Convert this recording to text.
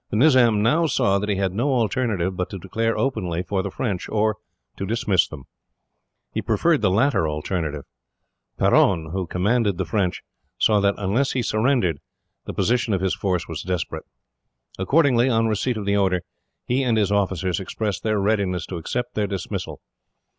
The Nizam now saw that he had no alternative but to declare openly for the French, or to dismiss them. He preferred the latter alternative. Peron, who commanded the French, saw that unless he surrendered, the position of his force was desperate. Accordingly, on receipt of the order, he and his officers expressed their readiness to accept their dismissal.